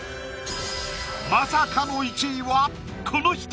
まさかの１位はこの人！